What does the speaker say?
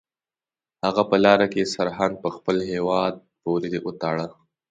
هغه په لاره کې سرهند په خپل هیواد پورې وتاړه.